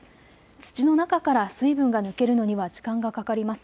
土の中から水分が抜けるのには時間がかかります。